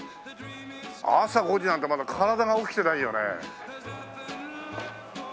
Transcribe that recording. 朝５時なんてまだ体が起きてないよね。